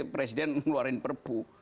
presiden ngeluarin perpu